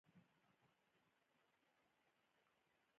که څوک لاس له سوده وکاږي زیان نشته.